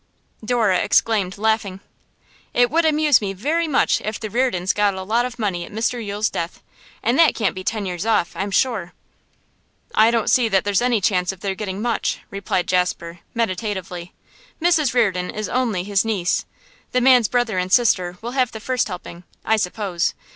Dora exclaimed, laughing: 'It would amuse me very much if the Reardons got a lot of money at Mr Yule's death and that can't be ten years off, I'm sure.' 'I don't see that there's any chance of their getting much,' replied Jasper, meditatively. 'Mrs Reardon is only his niece. The man's brother and sister will have the first helping, I suppose.